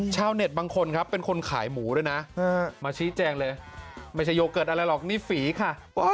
เน็ตบางคนครับเป็นคนขายหมูด้วยนะมาชี้แจงเลยไม่ใช่โยเกิร์ตอะไรหรอกนี่ฝีค่ะ